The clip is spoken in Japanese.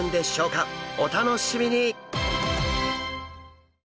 お楽しみに！